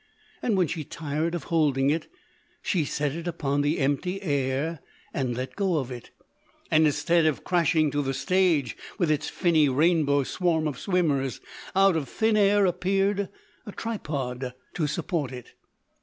And when she tired of holding it, she set it upon the empty air and let go of it; and instead of crashing to the stage with its finny rainbow swarm of swimmers, out of thin air appeared a tripod to support it.